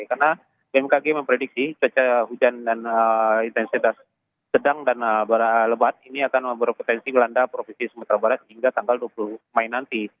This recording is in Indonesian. karena bmkg memprediksi cuaca hujan dan intensitas sedang dan lebat ini akan berpotensi melanda provinsi sumatera barat hingga tanggal dua puluh mai nanti